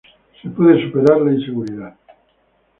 La inseguridad puede ser superada.